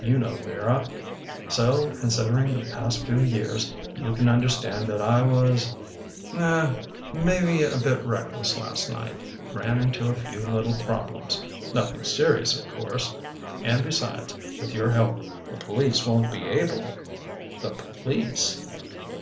You know Vera. So, considering the past few years, you can understand that I was uh maybe a bit reckless last night, ran into a few little problems. Nothing serious, of course. And besides, with your help, the police won't be able " "The police?"